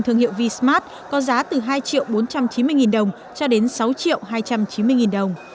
thương hiệu vi smart có giá từ hai triệu bốn trăm chín mươi đồng cho đến sáu triệu hai trăm chín mươi đồng